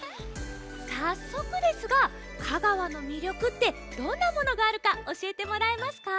さっそくですが香川のみりょくってどんなものがあるかおしえてもらえますか？